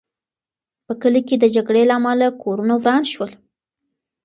په کلي کې د جګړې له امله کورونه وران شول.